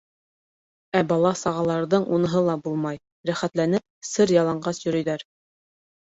Ә бала-сағаларҙың уныһы ла булмай, рәхәтләнеп сыр-яланғас йөрөйҙәр.